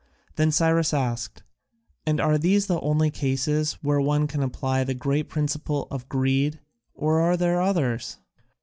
Then Cyrus asked, "And are these the only cases where one can apply the great principle of greed, or are there others?"